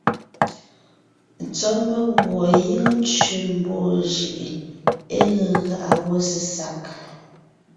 Sɔ́ meguɔ gíŋ tsẅe mbaa jʉʼ gie é gáʼa wó sesag.